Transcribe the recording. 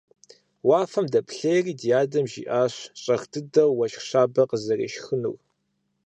Уафэм дэплъейри ди адэм жиӏащ щӏэх дыдэу уэшх щабэ къызэрешхынур.